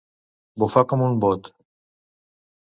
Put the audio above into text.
Bufar com un bot.